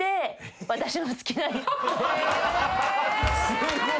すごい。